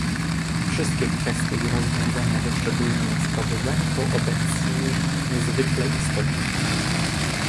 Wszystkie kwestie i rozwiązania wyszczególnione w sprawozdaniu są obecnie niezwykle istotne